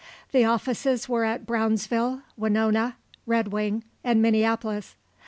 The offices were at Brownsville, Winona, Red Wing and Minneapolis.